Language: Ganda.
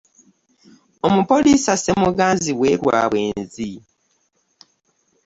Omupoliisi asse muganzi we lwa bwenzi.